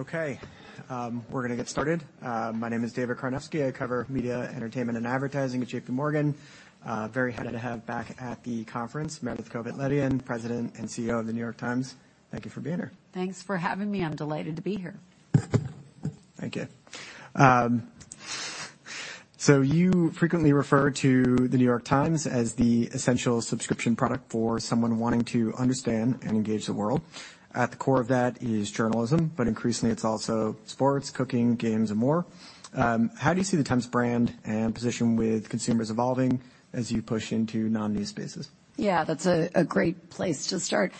Okay, we're gonna get started. My name is David Karnovsky. I cover media, entertainment, and advertising at J.P. Morgan. Very happy to have back at the conference, Meredith Kopit Levien, President and CEO of The New York Times. Thank you for being here. Thanks for having me. I'm delighted to be here. Thank you. So you frequently refer to The New York Times as the essential subscription product for someone wanting to understand and engage the world. At the core of that is journalism, but increasingly, it's also sports, cooking, games, and more. How do you see the Times brand and position with consumers evolving as you push into non-news spaces? Yeah, that's a great place to start.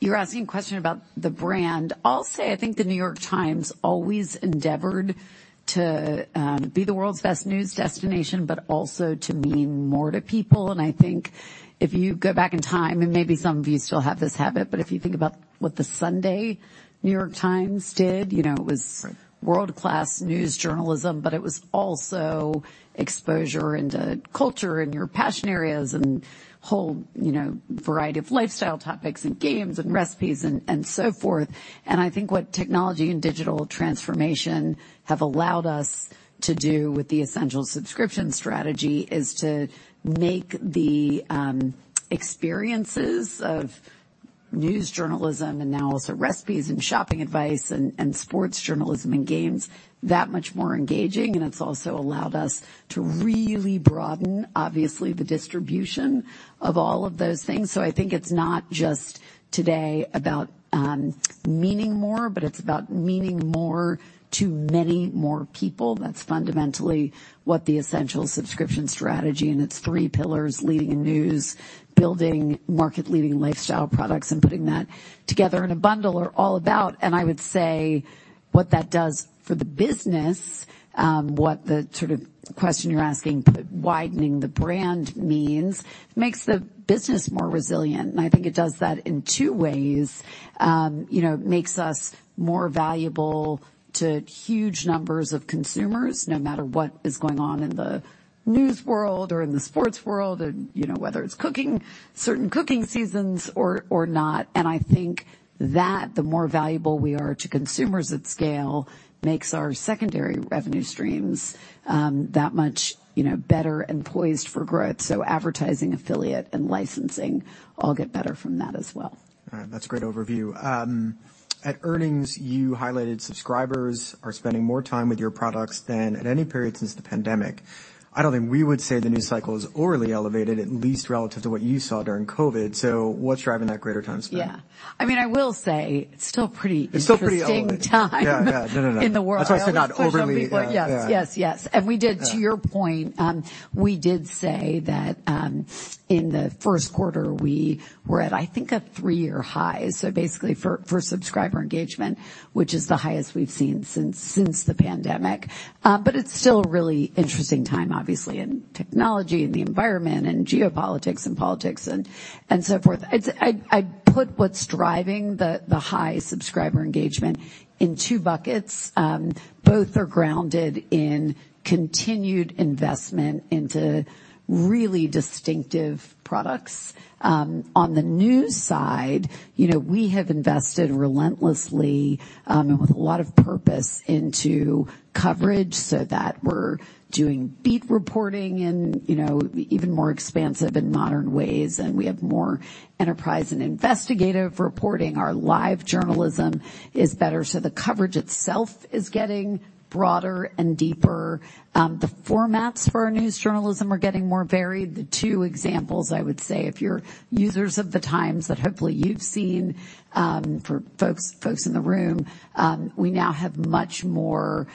You're asking a question about the brand. I'll say I think The New York Times always endeavored to be the world's best news destination, but also to mean more to people. And I think if you go back in time, and maybe some of you still have this habit, but if you think about what the Sunday New York Times did, you know, it was- Right world-class news journalism, but it was also exposure into culture and your passion areas and whole, you know, variety of lifestyle topics and games and recipes and, and so forth. And I think what technology and digital transformation have allowed us to do with the essential subscription strategy is to make the experiences of news journalism and now also recipes and shopping advice and, and sports journalism and games, that much more engaging, and it's also allowed us to really broaden, obviously, the distribution of all of those things. So I think it's not just today about meaning more, but it's about meaning more to many more people. That's fundamentally what the essential subscription strategy and its three pillars, leading in news, building market-leading lifestyle products, and putting that together in a bundle are all about. I would say what that does for the business, what the sort of question you're asking, widening the brand means, makes the business more resilient. And I think it does that in two ways. You know, it makes us more valuable to huge numbers of consumers, no matter what is going on in the news world or in the sports world, and, you know, whether it's cooking, certain cooking seasons or, or not. And I think that the more valuable we are to consumers at scale makes our secondary revenue streams, that much, you know, better and poised for growth. So advertising, affiliate, and licensing all get better from that as well. All right. That's a great overview. At earnings, you highlighted subscribers are spending more time with your products than at any period since the pandemic. I don't think we would say the news cycle is abnormally elevated, at least relative to what you saw during COVID. So what's driving that greater time spend? Yeah. I mean, I will say it's still pretty- It's still pretty elevated. Interesting time— Yeah, yeah. No, no, no in the world. That's why I said not overly. Yes. Yes, yes. Yeah. And we did. To your point, we did say that, in the first quarter, we were at, I think, a three-year high. So basically for subscriber engagement, which is the highest we've seen since the pandemic. But it's still a really interesting time, obviously, in technology and the environment and geopolitics and politics and so forth. It's. I'd put what's driving the high subscriber engagement in two buckets. Both are grounded in continued investment into really distinctive products. On the news side, you know, we have invested relentlessly and with a lot of purpose into coverage so that we're doing beat reporting and, you know, even more expansive and modern ways, and we have more enterprise and investigative reporting. Our live journalism is better, so the coverage itself is getting broader and deeper. The formats for our news journalism are getting more varied. The two examples I would say, if you're users of the Times that hopefully you've seen, for folks in the room, we now have much more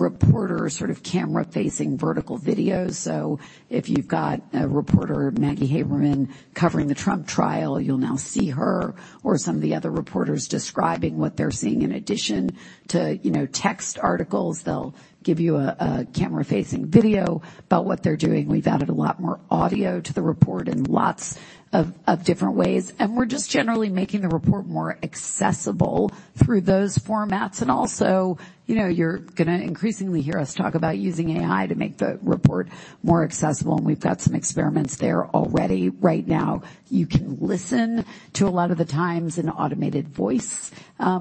reporter sort of camera-facing vertical videos. So if you've got a reporter, Maggie Haberman, covering the Trump trial, you'll now see her or some of the other reporters describing what they're seeing. In addition to, you know, text articles, they'll give you a camera-facing video about what they're doing. We've added a lot more audio to the report in lots of different ways, and we're just generally making the report more accessible through those formats. Also, you know, you're gonna increasingly hear us talk about using AI to make the report more accessible, and we've got some experiments there already. Right now, you can listen to a lot of the Times in automated voice,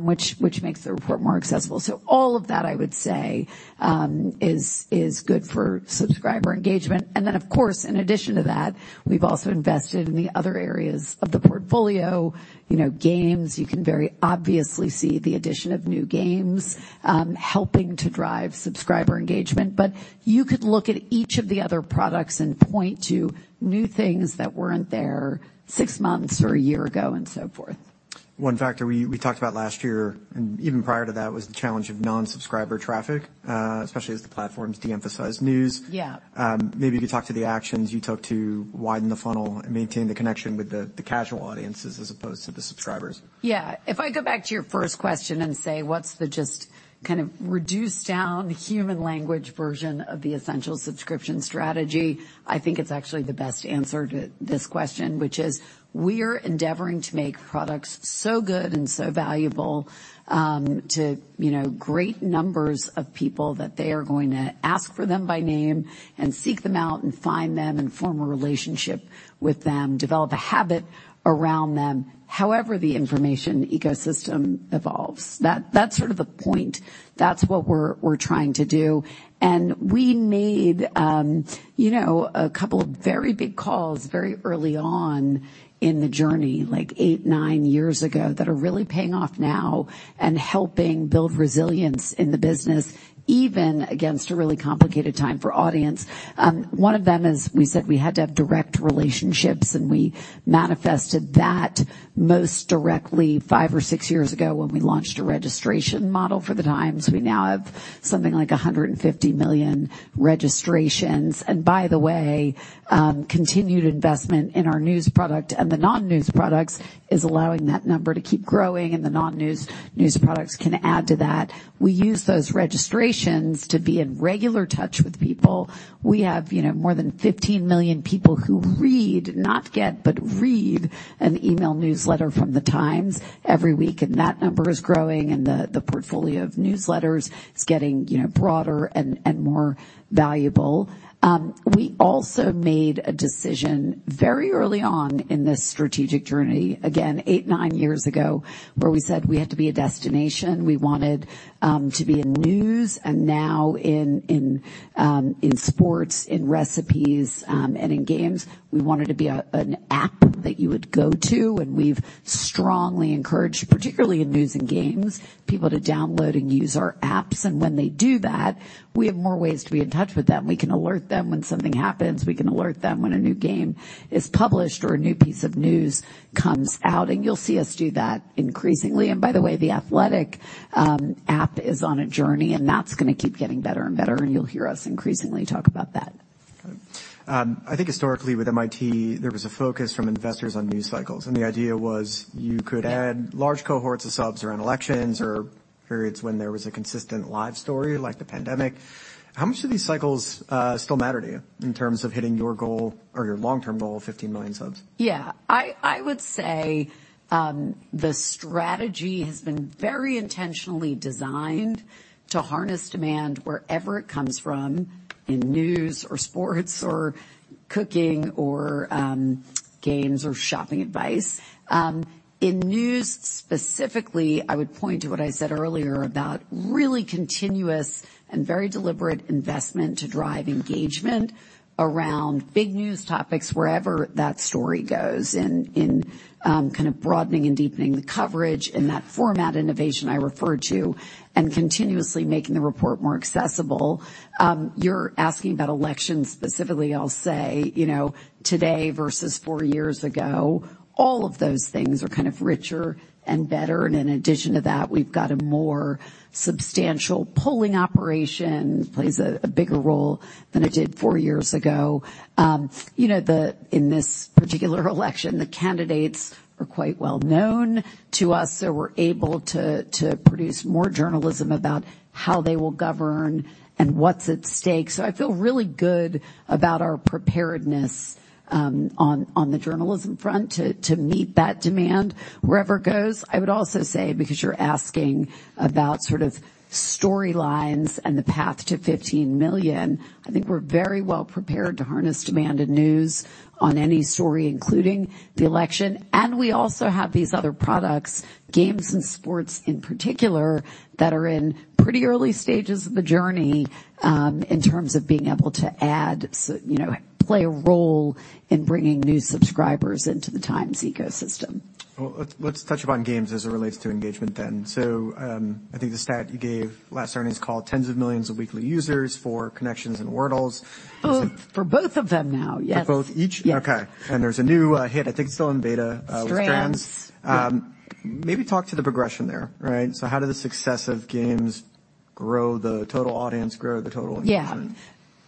which makes the report more accessible. So all of that, I would say, is good for subscriber engagement. And then, of course, in addition to that, we've also invested in the other areas of the portfolio. You know, games, you can very obviously see the addition of new games, helping to drive subscriber engagement, but you could look at each of the other products and point to new things that weren't there six months or a year ago and so forth. One factor we talked about last year, and even prior to that, was the challenge of non-subscriber traffic, especially as the platforms de-emphasized news. Yeah. Maybe you could talk to the actions you took to widen the funnel and maintain the connection with the casual audiences as opposed to the subscribers. Yeah. If I go back to your first question and say, what's the just kind of reduced down human language version of the essential subscription strategy, I think it's actually the best answer to this question, which is: We are endeavoring to make products so good and so valuable to, you know, great numbers of people, that they are going to ask for them by name and seek them out and find them and form a relationship with them, develop a habit around them, however the information ecosystem evolves. That's sort of the point. That's what we're trying to do. And we made, you know, a couple of very big calls very early on in the journey, like 8, 9 years ago, that are really paying off now and helping build resilience in the business, even against a really complicated time for audience. One of them is, we said we had to have direct relationships, and we manifested that most directly 5 or 6 years ago, when we launched a registration model for The Times. We now have something like 150 million registrations. And by the way, continued investment in our news product and the non-news products is allowing that number to keep growing, and the non-news, news products can add to that. We use those registrations to be in regular touch with people. We have, you know, more than 15 million people who read, not get, but read an email newsletter from The Times every week, and that number is growing, and the portfolio of newsletters is getting, you know, broader and more valuable. We also made a decision very early on in this strategic journey, again, 8, 9 years ago, where we said we had to be a destination. We wanted to be in news and now in sports, in recipes, and in games. We wanted to be an app that you would go to, and we've strongly encouraged, particularly in news and games, people to download and use our apps. And when they do that, we have more ways to be in touch with them. We can alert them when something happens, we can alert them when a new game is published or a new piece of news comes out, and you'll see us do that increasingly. And by the way, The Athletic app is on a journey, and that's gonna keep getting better and better, and you'll hear us increasingly talk about that. I think historically with NYT, there was a focus from investors on news cycles, and the idea was you could add— Yeah Large cohorts of subs around elections or periods when there was a consistent live story, like the pandemic. How much do these cycles still matter to you in terms of hitting your goal or your long-term goal of 15 million subs? Yeah. I would say the strategy has been very intentionally designed to harness demand wherever it comes from, in news or sports or cooking or games or shopping advice. In news specifically, I would point to what I said earlier about really continuous and very deliberate investment to drive engagement around big news topics wherever that story goes, in kind of broadening and deepening the coverage and that format innovation I referred to, and continuously making the report more accessible. You're asking about elections specifically. I'll say, you know, today versus four years ago, all of those things are kind of richer and better, and in addition to that, we've got a more substantial polling operation, plays a bigger role than it did four years ago. You know, in this particular election, the candidates are quite well known to us, so we're able to produce more journalism about how they will govern and what's at stake. So I feel really good about our preparedness on the journalism front to meet that demand wherever it goes. I would also say, because you're asking about sort of storylines and the path to 15 million, I think we're very well prepared to harness demand and news on any story, including the election. And we also have these other products, games and sports in particular, that are in pretty early stages of the journey in terms of being able to add, so you know, play a role in bringing new subscribers into the Times ecosystem. Well, let's touch upon games as it relates to engagement then. So, I think the stat you gave last earnings call, tens of millions of weekly users for Connections and Wordles. For both of them now, yes. For both each? Yes. Okay. And there's a new hit. I think it's still in beta. Strands. Strands. Maybe talk to the progression there, right? So how do the success of games grow the total audience, grow the total engagement? Yeah.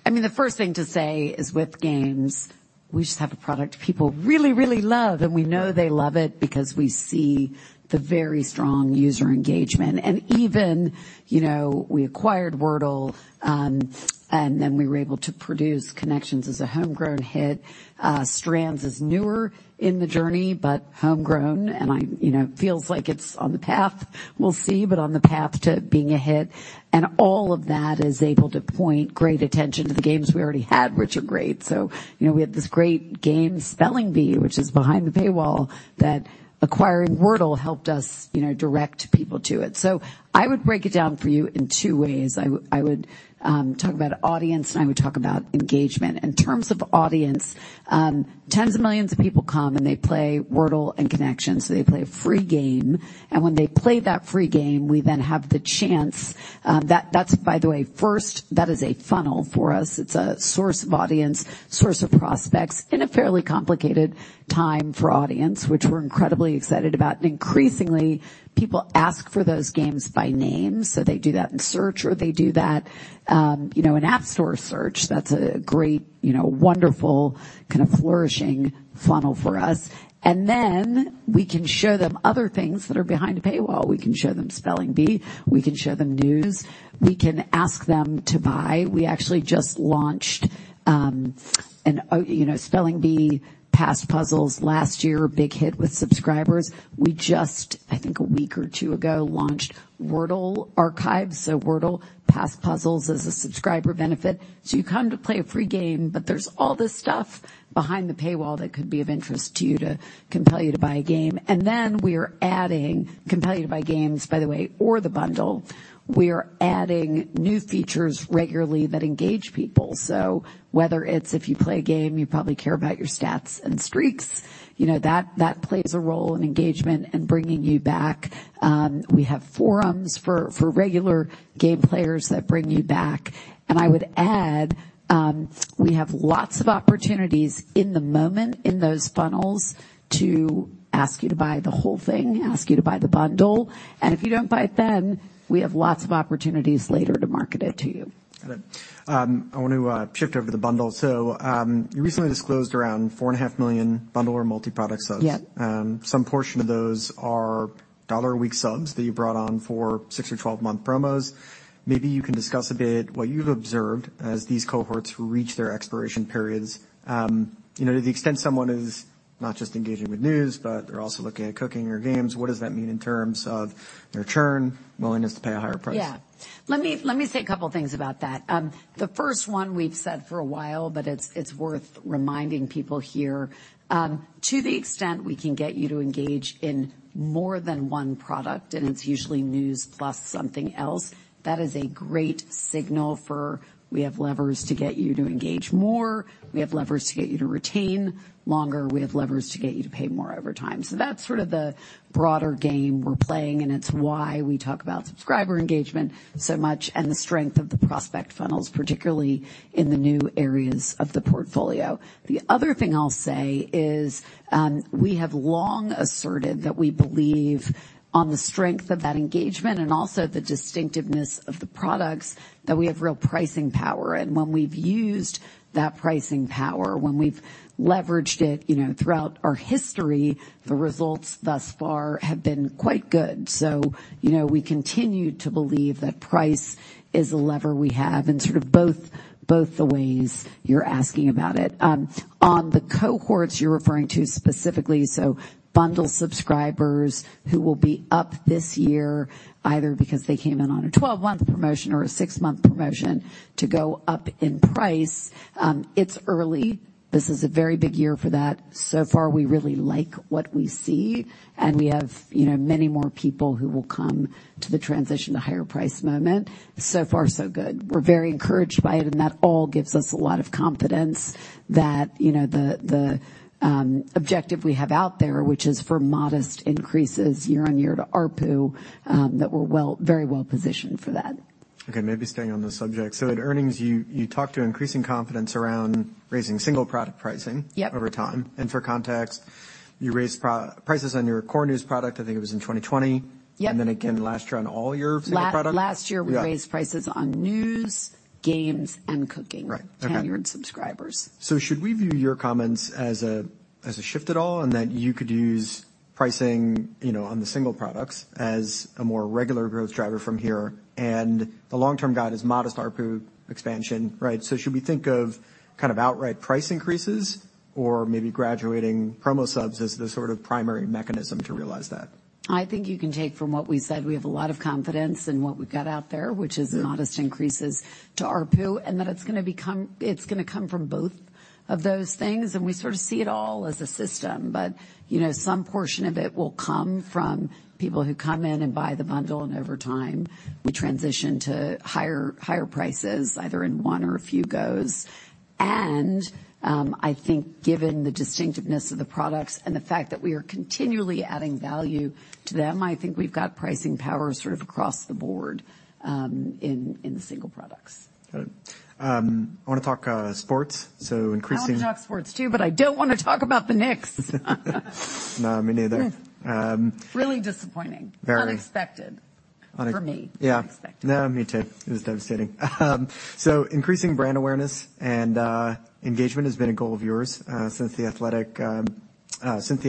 I mean, the first thing to say is, with games, we just have a product people really, really love, and we know they love it because we see the very strong user engagement. And even, you know, we acquired Wordle, and then we were able to produce Connections as a homegrown hit. Strands is newer in the journey, but homegrown, and I, you know, feels like it's on the path. We'll see, but on the path to being a hit. And all of that is able to point great attention to the games we already had, which are great. So, you know, we had this great game, Spelling Bee, which is behind the paywall, that acquiring Wordle helped us, you know, direct people to it. So I would break it down for you in two ways. I would talk about audience, and I would talk about engagement. In terms of audience, tens of millions of people come, and they play Wordle and Connections. So they play a free game, and when they play that free game, we then have the chance. That's, by the way, first, a funnel for us. It's a source of audience, source of prospects in a fairly complicated time for audience, which we're incredibly excited about. And increasingly, people ask for those games by name, so they do that in search, or they do that, you know, an app store search, that's a great, you know, wonderful kind of flourishing funnel for us. And then we can show them other things that are behind a paywall. We can show them Spelling Bee, we can show them news, we can ask them to buy. We actually just launched, you know, Spelling Bee past puzzles last year, a big hit with subscribers. We just, I think, a week or two ago, launched Wordle archives, so Wordle past puzzles as a subscriber benefit. So you come to play a free game, but there's all this stuff behind the paywall that could be of interest to you to compel you to buy a game. And then we are adding-compel you to buy games, by the way, or the bundle. We are adding new features regularly that engage people. So whether it's if you play a game, you probably care about your stats and streaks, you know, that plays a role in engagement and bringing you back. We have forums for regular game players that bring you back. I would add, we have lots of opportunities in the moment in those funnels to ask you to buy the whole thing, ask you to buy the bundle, and if you don't buy it, then we have lots of opportunities later to market it to you. Got it. I want to shift over to the bundle. You recently disclosed around 4.5 million bundle or multi-product subs. Yep. Some portion of those are $1-a-week subs that you brought on for 6- or 12-month promos. Maybe you can discuss a bit what you've observed as these cohorts reach their expiration periods. You know, to the extent someone is not just engaging with news, but they're also looking at cooking or games, what does that mean in terms of their churn, willingness to pay a higher price? Yeah. Let me, let me say a couple of things about that. The first one we've said for a while, but it's worth reminding people here. To the extent we can get you to engage in more than one product, and it's usually news plus something else, that is a great signal for we have levers to get you to engage more, we have levers to get you to retain longer, we have levers to get you to pay more over time. So that's sort of the broader game we're playing, and it's why we talk about subscriber engagement so much and the strength of the prospect funnels, particularly in the new areas of the portfolio. The other thing I'll say is, we have long asserted that we believe on the strength of that engagement and also the distinctiveness of the products, that we have real pricing power. And when we've used that pricing power, when we've leveraged it, you know, throughout our history, the results thus far have been quite good. So, you know, we continue to believe that price is a lever we have in sort of both, both the ways you're asking about it. On the cohorts you're referring to specifically, so bundle subscribers who will be up this year either because they came in on a 12-month promotion or a 6-month promotion to go up in price, it's early. This is a very big year for that. So far, we really like what we see, and we have, you know, many more people who will come to the transition to higher price moment. So far, so good. We're very encouraged by it, and that all gives us a lot of confidence that, you know, the objective we have out there, which is for modest increases year on year to ARPU, that we're very well positioned for that. Okay, maybe staying on the subject. So at earnings, you talked to increasing confidence around raising single product pricing- Yep. Over time. For context, you raised prices on your core news product, I think it was in 2020. Yep. Then again last year on all your single products. Last year we raised prices on News, Games, and Cooking. Right. Okay. Tenured subscribers. So should we view your comments as a shift at all, and that you could use pricing, you know, on the single products as a more regular growth driver from here, and the long-term guide is modest ARPU expansion, right? So should we think of kind of outright price increases or maybe graduating promo subs as the sort of primary mechanism to realize that? I think you can take from what we said, we have a lot of confidence in what we've got out there, which is modest increases to ARPU, and that it's gonna come from both of those things, and we sort of see it all as a system. But, you know, some portion of it will come from people who come in and buy the bundle, and over time, we transition to higher, higher prices, either in one or a few goes. And I think given the distinctiveness of the products and the fact that we are continually adding value to them, I think we've got pricing power sort of across the board, in the single products. Got it. I want to talk, sports. So increasing- I want to talk sports, too, but I don't want to talk about the Knicks. No, me neither. Really disappointing. Very. Unexpected- Unex— For me. Yeah. Unexpected. No, me too. It was devastating. So increasing brand awareness and engagement has been a goal of yours since the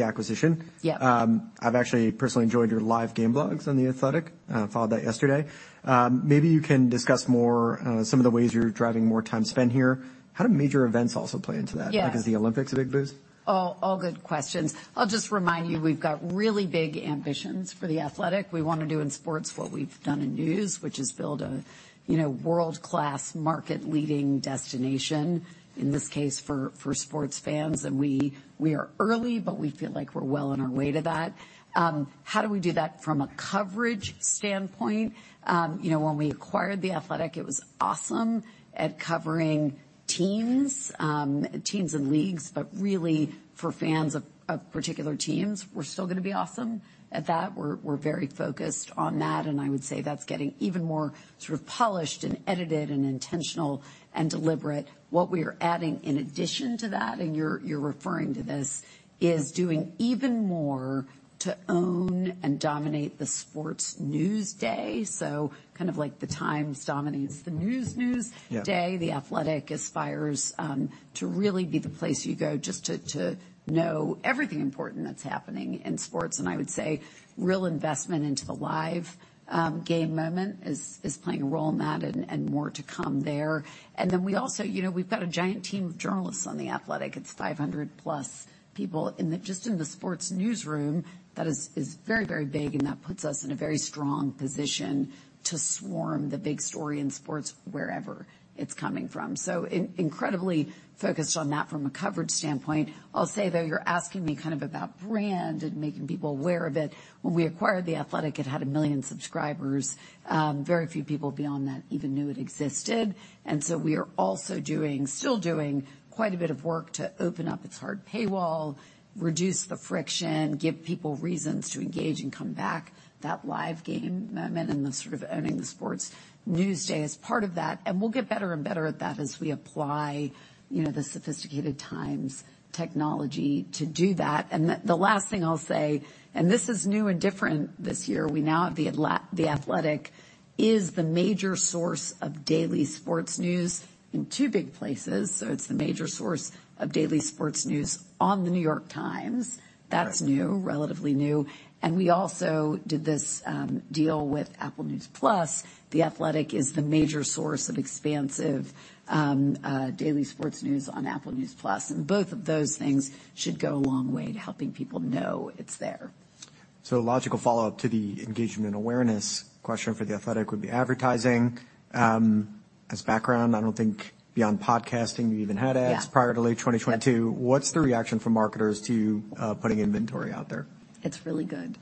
acquisition? Yeah. I've actually personally enjoyed your live game blogs on The Athletic, followed that yesterday. Maybe you can discuss more, some of the ways you're driving more time spent here. How do major events also play into that? Yes. Like, is the Olympics a big boost? Oh, all good questions. I'll just remind you, we've got really big ambitions for The Athletic. We wanna do in sports what we've done in news, which is build a, you know, world-class market-leading destination, in this case, for sports fans. And we are early, but we feel like we're well on our way to that. How do we do that from a coverage standpoint? You know, when we acquired The Athletic, it was awesome at covering teams, teams and leagues, but really for fans of particular teams. We're still gonna be awesome at that. We're very focused on that, and I would say that's getting even more sort of polished and edited and intentional and deliberate. What we are adding in addition to that, and you're referring to this, is doing even more to own and dominate the sports news day. So kind of like the Times dominates the news, news- Yeah Today, The Athletic aspires to really be the place you go just to know everything important that's happening in sports. And I would say real investment into the live game moment is playing a role in that and more to come there. And then we also. You know, we've got a giant team of journalists on The Athletic. It's 500+ people just in the sports newsroom. That is very, very big, and that puts us in a very strong position to swarm the big story in sports wherever it's coming from. So incredibly focused on that from a coverage standpoint. I'll say, though, you're asking me kind of about brand and making people aware of it. When we acquired The Athletic, it had 1 million subscribers. Very few people beyond that even knew it existed. So we are also doing, still doing quite a bit of work to open up its hard paywall, reduce the friction, give people reasons to engage and come back. That live game moment and the sort of owning the sports news day is part of that, and we'll get better and better at that as we apply, you know, the sophisticated Times technology to do that. The last thing I'll say, and this is new and different this year, we now, at The Athletic, is the major source of daily sports news in two big places. It's the major source of daily sports news on The New York Times. Right. That's new, relatively new. And we also did this deal with Apple News Plus. The Athletic is the major source of expansive daily sports news on Apple News Plus, and both of those things should go a long way to helping people know it's there. So logical follow-up to the engagement and awareness question for The Athletic would be advertising. As background, I don't think beyond podcasting, you even had ads prior to late 2022. What's the reaction from marketers to putting inventory out there? It's really good.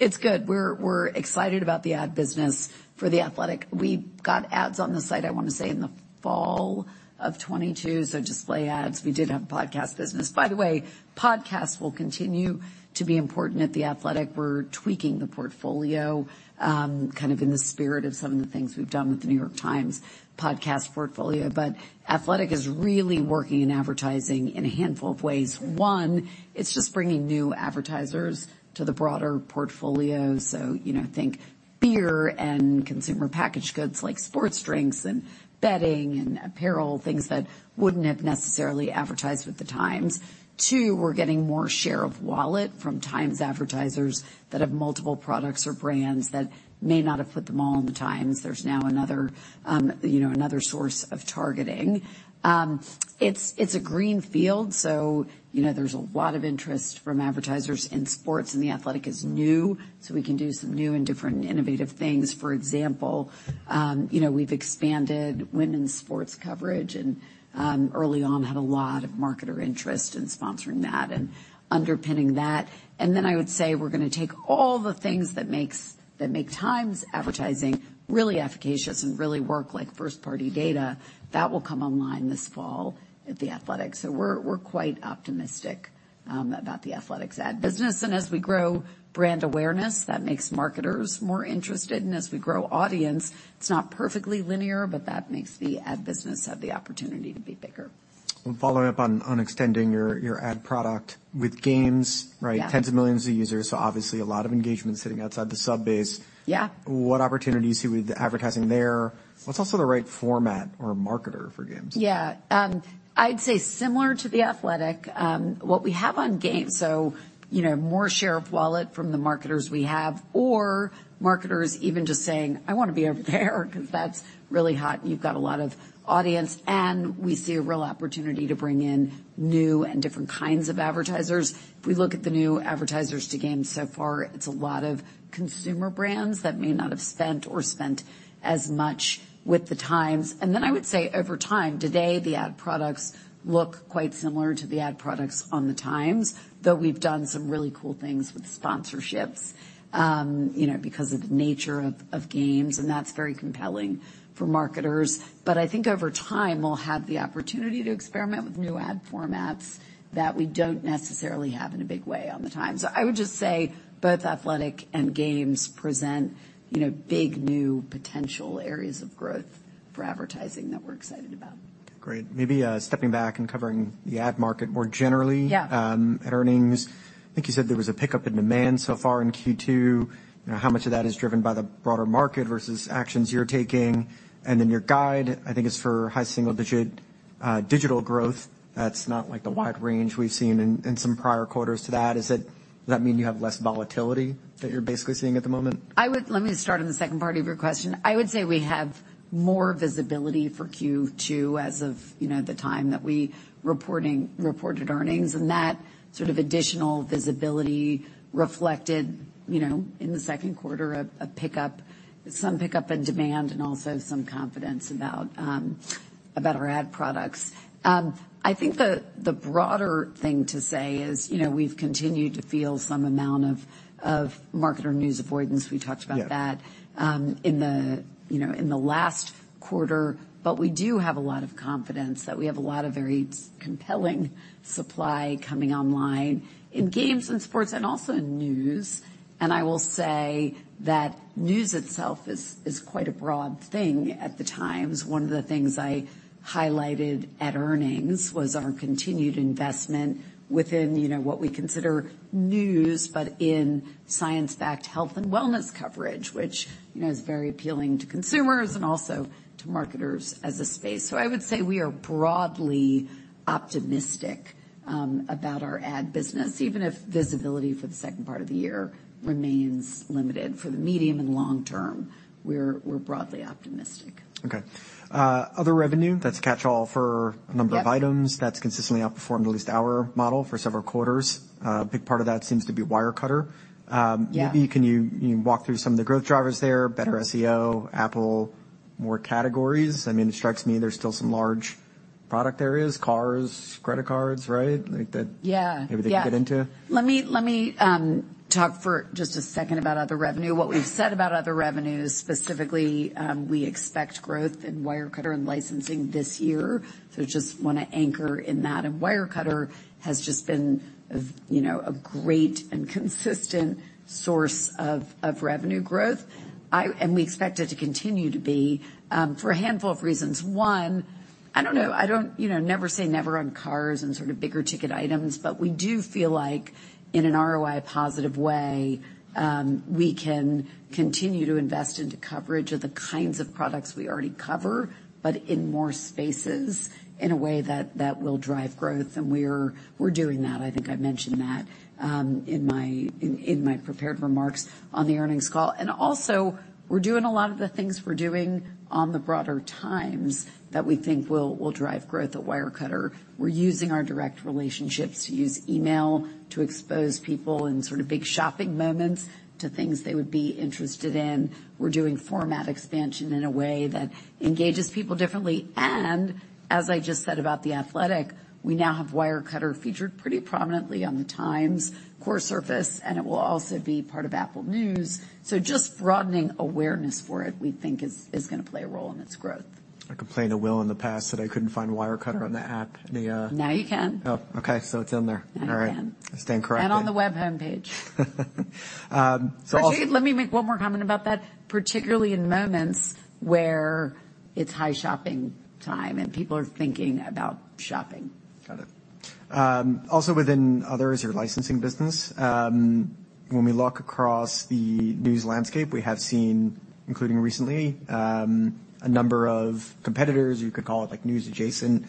It's good. We're, we're excited about the ad business for The Athletic. We got ads on the site, I want to say, in the fall of 2022, so display ads. We did have a podcast business. By the way, podcasts will continue to be important at The Athletic. We're tweaking the portfolio, kind of in the spirit of some of the things we've done with The New York Times podcast portfolio. But Athletic is really working in advertising in a handful of ways. One, it's just bringing new advertisers to the broader portfolio. So, you know, think beer and consumer packaged goods, like sports drinks and betting and apparel, things that wouldn't have necessarily advertised with the Times. Two, we're getting more share of wallet from Times advertisers that have multiple products or brands that may not have put them all in the Times. There's now another, you know, another source of targeting. It's a green field, so, you know, there's a lot of interest from advertisers, and sports in The Athletic is new, so we can do some new and different innovative things. For example, you know, we've expanded women's sports coverage and early on, had a lot of marketer interest in sponsoring that and underpinning that. And then I would say we're gonna take all the things that make Times advertising really efficacious and really work like first-party data. That will come online this fall at The Athletic. So we're quite optimistic about The Athletic's ad business. And as we grow brand awareness, that makes marketers more interested, and as we grow audience, it's not perfectly linear, but that makes the ad business have the opportunity to be bigger. Following up on extending your ad product with Games, right? Yeah. Tens of millions of users, so obviously a lot of engagement sitting outside the sub base. Yeah. What opportunity do you see with the advertising there? What's also the right format or marketer for Games? Yeah. I'd say similar to The Athletic, what we have on Games, so, you know, more share of wallet from the marketers we have, or marketers even just saying, "I wanna be over there because that's really hot. You've got a lot of audience." And we see a real opportunity to bring in new and different kinds of advertisers. If we look at the new advertisers to Games so far, it's a lot of consumer brands that may not have spent or spent as much with the Times. And then I would say over time, today, the ad products look quite similar to the ad products on the Times, but we've done some really cool things with sponsorships, you know, because of the nature of Games, and that's very compelling for marketers. But I think over time, we'll have the opportunity to experiment with new ad formats that we don't necessarily have in a big way on the Times. So I would just say both Athletic and Games present, you know, big, new potential areas of growth for advertising that we're excited about. Great! Maybe, stepping back and covering the ad market more generally at earnings. I think you said there was a pickup in demand so far in Q2. You know, how much of that is driven by the broader market versus actions you're taking? And then your guide, I think, is for high single-digit digital growth. That's not like the wide range we've seen in some prior quarters to that. Is it - does that mean you have less volatility that you're basically seeing at the moment? I would. Let me start on the second part of your question. I would say we have more visibility for Q2 as of, you know, the time that we reported earnings, and that sort of additional visibility reflected, you know, in the second quarter, some pickup in demand and also some confidence about our ad products. I think the broader thing to say is, you know, we've continued to feel some amount of marketer news avoidance. We talked about that. Yeah. in the—you know, in the last quarter, but we do have a lot of confidence that we have a lot of very compelling supply coming online in games and sports and also in news. And I will say that news itself is quite a broad thing at the Times. One of the things I highlighted at earnings was our continued investment within, you know, what we consider news, but in science-backed health and wellness coverage, which, you know, is very appealing to consumers and also to marketers as a space. So I would say we are broadly optimistic about our ad business, even if visibility for the second part of the year remains limited. For the medium and long term, we're broadly optimistic. Okay. Other revenue, that's a catchall for— Yes. A number of items that's consistently outperformed at least our model for several quarters. A big part of that seems to be Wirecutter. Yeah. Maybe can you walk through some of the growth drivers there, better SEO, Apple, more categories? I mean, it strikes me there's still some large product areas, cars, credit cards, right? Like that- Yeah. Maybe they could get into. Let me talk for just a second about other revenue. What we've said about other revenues, specifically, we expect growth in Wirecutter and licensing this year, so just want to anchor in that. And Wirecutter has just been, you know, a great and consistent source of revenue growth. And we expect it to continue to be for a handful of reasons. One, I don't know, you know, never say never on cars and sort of bigger ticket items, but we do feel like in an ROI-positive way, we can continue to invest into coverage of the kinds of products we already cover, but in more spaces in a way that will drive growth, and we're doing that. I think I mentioned that in my prepared remarks on the earnings call. And also, we're doing a lot of the things we're doing on the broader Times that we think will drive growth at Wirecutter. We're using our direct relationships to use email to expose people in sort of big shopping moments to things they would be interested in. We're doing format expansion in a way that engages people differently. And as I just said about The Athletic, we now have Wirecutter featured pretty prominently on the Times core surface, and it will also be part of Apple News. So just broadening awareness for it, we think is gonna play a role in its growth. I complained to Will in the past that I couldn't find Wirecutter on the app, in the— Now you can. Oh, okay. So it's in there. Now you can. All right. I stand corrected. On the web homepage. So, also— Let me make one more comment about that, particularly in moments where it's high shopping time and people are thinking about shopping. Got it. Also within others, your licensing business, when we look across the news landscape, we have seen, including recently, a number of competitors, you could call it, like, news adjacent,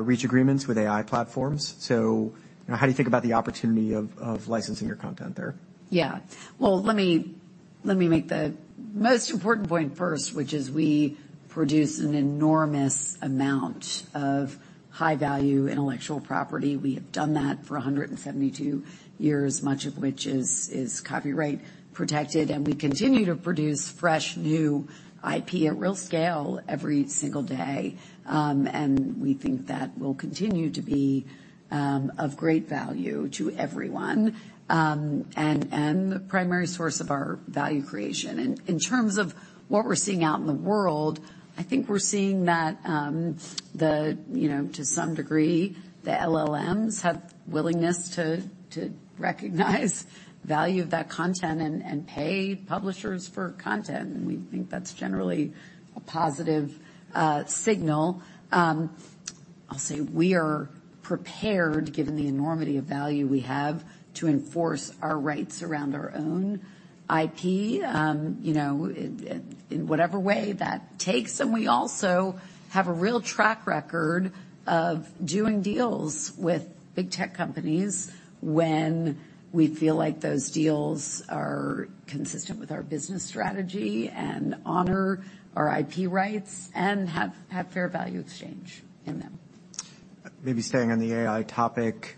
reach agreements with AI platforms. So how do you think about the opportunity of, of licensing your content there? Yeah. Well, let me make the most important point first, which is we produce an enormous amount of high-value intellectual property. We have done that for 172 years, much of which is copyright protected, and we continue to produce fresh, new IP at real scale every single day. And we think that will continue to be of great value to everyone, and the primary source of our value creation. In terms of what we're seeing out in the world, I think we're seeing that, you know, to some degree, the LLMs have willingness to recognize value of that content and pay publishers for content. We think that's generally a positive signal. I'll say we are prepared, given the enormity of value we have, to enforce our rights around our own IP, you know, in whatever way that takes. We also have a real track record of doing deals with big tech companies when we feel like those deals are consistent with our business strategy and honor our IP rights and have fair value exchange in them. Maybe staying on the AI topic,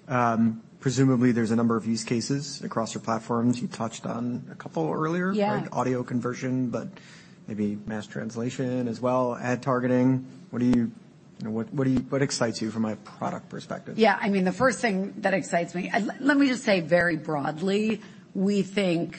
presumably there's a number of use cases across your platforms. You touched on a couple earlier. Yeah. Like audio conversion, but maybe mass translation as well, ad targeting. What excites you from a product perspective? Yeah, I mean, the first thing that excites me. Let me just say very broadly, we think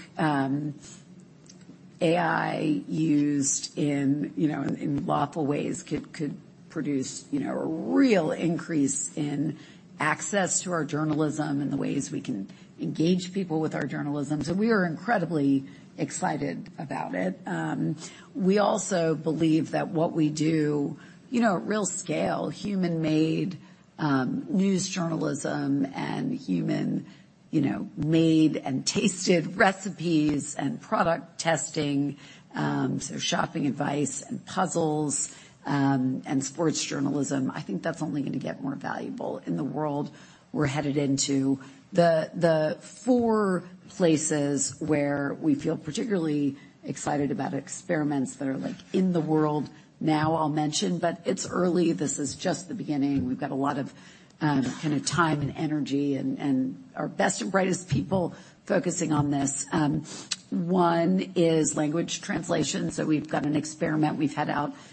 AI used in, you know, in lawful ways could produce, you know, a real increase in access to our journalism and the ways we can engage people with our journalism. So we are incredibly excited about it. We also believe that what we do, you know, at real scale, human-made news journalism and human made and tasted recipes and product testing, shopping advice and puzzles, and sports journalism. I think that's only gonna get more valuable in the world we're headed into. The four places where we feel particularly excited about experiments that are, like, in the world now, I'll mention, but it's early. This is just the beginning. We've got a lot of kind of time and energy and our best and brightest people focusing on this. One is language translation. So we've got an experiment we've had out for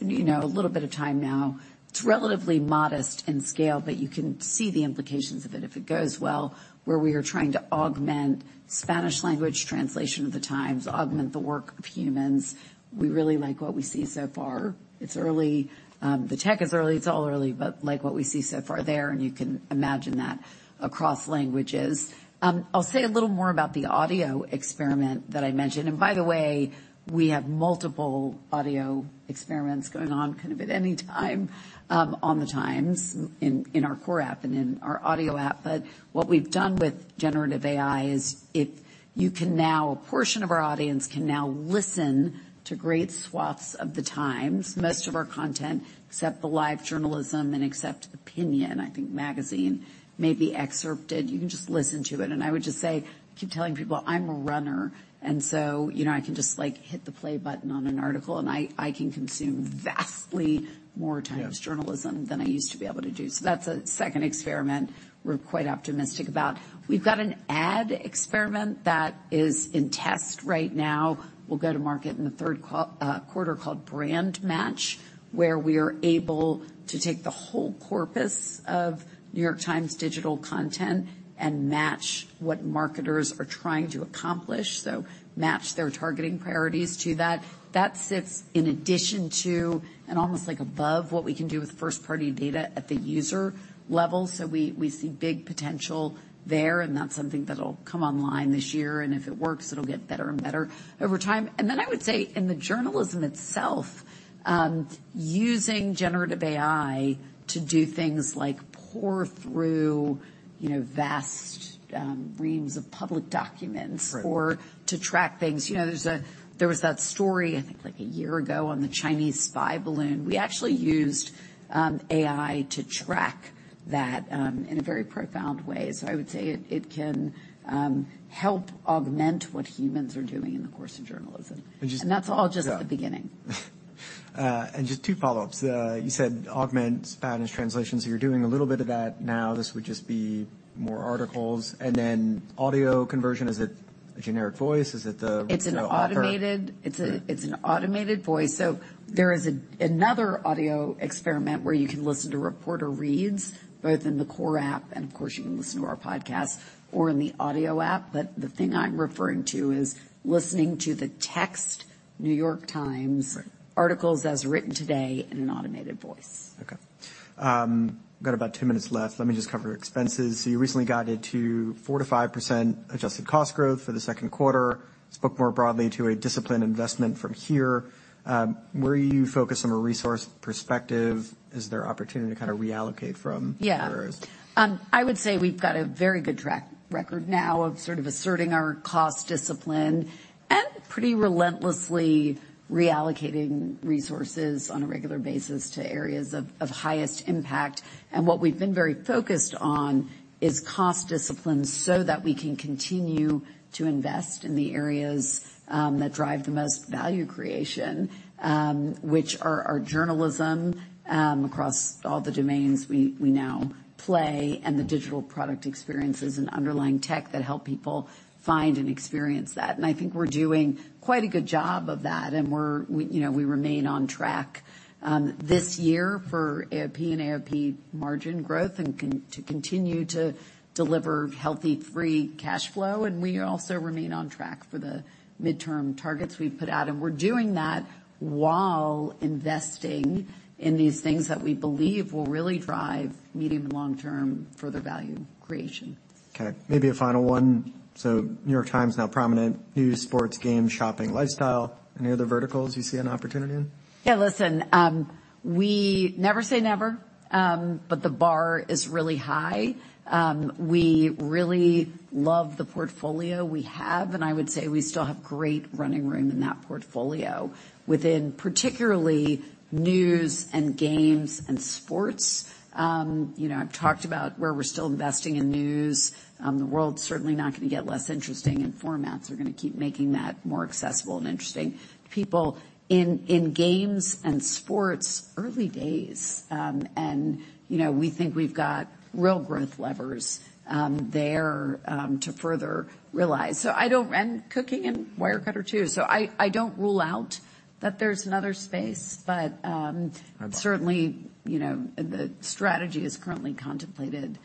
you know, a little bit of time now. It's relatively modest in scale, but you can see the implications of it if it goes well, where we are trying to augment Spanish language translation of the Times, augment the work of humans. We really like what we see so far. It's early. The tech is early, it's all early, but like what we see so far there, and you can imagine that across languages. I'll say a little more about the audio experiment that I mentioned, and by the way, we have multiple audio experiments going on, kind of at any time, on the Times, in our core app and in our audio app. But what we've done with generative AI is it. You can now a portion of our audience can now listen to great swaths of the Times. Most of our content, except the live journalism and except opinion, I think magazine may be excerpted. You can just listen to it, and I would just say, keep telling people I'm a runner, and so, you know, I can just, like, hit the play button on an article, and I can consume vastly more. Yeah Times journalism than I used to be able to do. So that's a second experiment we're quite optimistic about. We've got an ad experiment that is in test right now. We'll go to market in the third quarter called BrandMatch, where we are able to take the whole corpus of New York Times' digital content and match what marketers are trying to accomplish, so match their targeting priorities to that. That sits in addition to, and almost like above, what we can do with first-party data at the user level. So we, we see big potential there, and that's something that'll come online this year, and if it works, it'll get better and better over time. And then I would say, in the journalism itself, using generative AI to do things like pore through, you know, vast reams of public documents— Right. Or to track things. You know, there was that story, I think, like, a year ago on the Chinese spy balloon. We actually used AI to track that in a very profound way. So I would say it can help augment what humans are doing in the course of journalism. And just— That's all just at the beginning. Just two follow-ups. You said augment Spanish translations, so you're doing a little bit of that now. This would just be more articles, and then audio conversion, is it a generic voice? Is it the- It's an automated— Author. It's an automated voice. So there is another audio experiment where you can listen to reporter reads, both in the core app and of course, you can listen to our podcast or in the audio app. But the thing I'm referring to is listening to the text, New York Times- Right Articles as written today in an automated voice. Okay. Got about two minutes left. Let me just cover expenses. So you recently guided to 4%-5% adjusted cost growth for the second quarter. Spoke more broadly to a disciplined investment from here. Where are you focused from a resource perspective? Is there opportunity to kind of reallocate from— Yeah. Areas? I would say we've got a very good track record now of sort of asserting our cost discipline and pretty relentlessly reallocating resources on a regular basis to areas of highest impact. And what we've been very focused on is cost discipline, so that we can continue to invest in the areas that drive the most value creation, which are our journalism across all the domains we now play, and the digital product experiences and underlying tech that help people find and experience that. And I think we're doing quite a good job of that, and we, you know, remain on track this year for AIB and AOP margin growth and to continue to deliver healthy, free cash flow. We also remain on track for the midterm targets we've put out, and we're doing that while investing in these things that we believe will really drive medium and long-term further value creation. Okay, maybe a final one. So New York Times, now prominent news, sports, game, shopping, lifestyle. Any other verticals you see an opportunity in? Yeah, listen, we never say never, but the bar is really high. We really love the portfolio we have, and I would say we still have great running room in that portfolio within particularly News and Games and sports. You know, I've talked about where we're still investing in News. The world's certainly not gonna get less interesting, and formats are gonna keep making that more accessible and interesting. People in Games and sports, early days. And, you know, we think we've got real growth levers there to further realize. So I don't—and Cooking and Wirecutter, too. So I don't rule out that there's another space, but— I'd— Certainly, you know, the strategy is currently contemplated.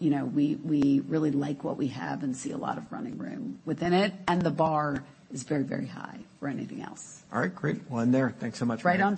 You know, we really like what we have and see a lot of running room within it, and the bar is very, very high for anything else. All right, great. One there. Thanks so much. Right on.